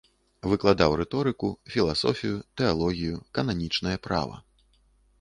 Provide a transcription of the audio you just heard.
Выкладаў рыторыку, філасофію, тэалогію, кананічнае права.